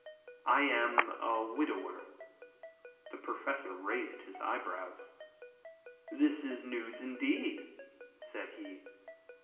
I am a widower." The Professor raised his eyebrows. "This is news indeed," said he.